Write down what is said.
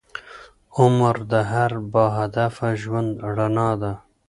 عمر د هر باهدفه ژوند رڼا ده.